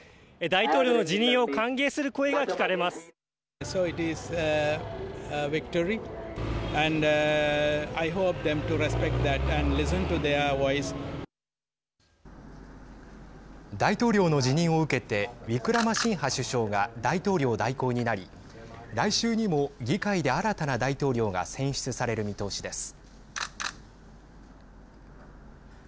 大統領の辞任を受けてウィクラマシンハ首相が大統領代行になり来週にも議会で新たな大統領が選出される見通しです。